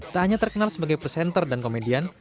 tak hanya terkenal sebagai presenter dan komedian